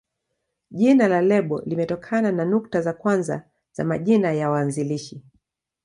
Jina la lebo limetokana na nukta za kwanza za majina ya waanzilishi.